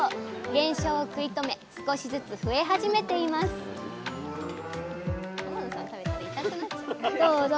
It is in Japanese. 減少を食い止め少しずつ増え始めていますどうぞ。